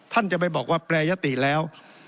ท่านจะไปบอกว่าแปรยติแล้ว